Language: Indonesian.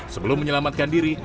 sebelum menyelamatkan diri